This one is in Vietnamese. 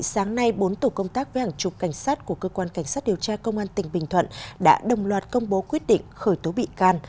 sáng nay bốn tổ công tác với hàng chục cảnh sát của cơ quan cảnh sát điều tra công an tỉnh bình thuận đã đồng loạt công bố quyết định khởi tố bị can